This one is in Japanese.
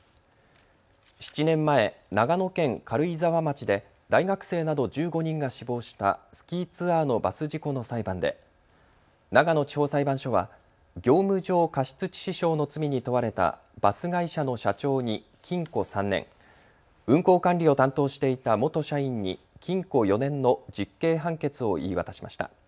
７年前、長野県軽井沢町で大学生など１５人が死亡したスキーツアーのバス事故の裁判で長野地方裁判所は業務上過失致死傷の罪に問われたバス会社の社長に禁錮３年、運行管理を担当していた元社員に禁錮４年の実刑判決を言い渡しました。